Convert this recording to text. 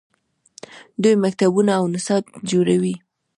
دوی مکتبونه او نصاب جوړوي.